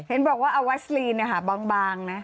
เฮนบอกว่าเอาวัสลีนะฮะบางนะ